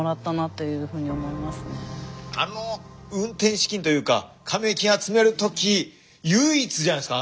あの運転資金というか加盟金集める時唯一じゃないですか？